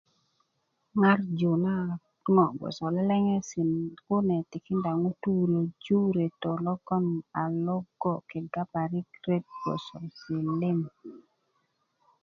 ŋarju na ŋo gboso leleŋesi kune tikinda ŋutu reju reto logbon a logo kega parik ret lo sok geleŋ